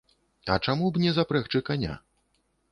А чаму б не запрэгчы каня?